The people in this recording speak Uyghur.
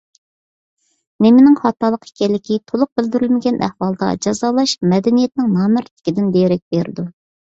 نېمىنىڭ خاتالىق ئىكەنلىكى تولۇق بىلدۈرۈلمىگەن ئەھۋالدا جازالاش مەدەنىيەتنىڭ نامەردلىكىدىن دېرەك بېرىدۇ.